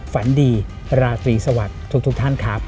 ฝันดีราตรีสวัสดีทุกท่านครับ